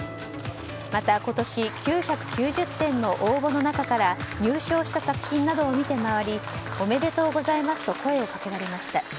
また今年９９０点の応募の中から入賞した作品などを見て回りおめでとうございますと声をかけられました。